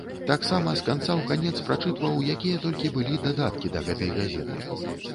Таксама з канца ў канец прачытваў, якія толькі былі, дадаткі да гэтай газеты.